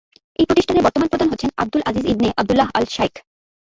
এই প্রতিষ্ঠানের বর্তমান প্রধান হচ্ছেন আব্দুল আজিজ ইবনে আব্দুল্লাহ আল আশ-শাইখ।